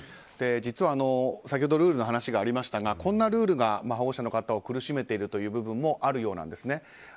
実は先ほどルールの話がありましたがこんなルールが保護者の方を苦しめているという部分もあるようなんです。